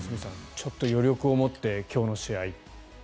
ちょっと余力を持って今日の試合。